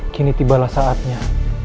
kini tibalah saatnya